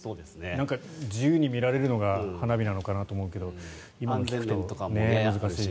自由に見られるのが花火なのかなと思うけど今のを聞くと難しい。